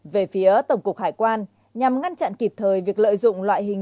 về phía tổng cục hải quan nhằm ngăn chặn kịp thời việc lợi dụng loại hình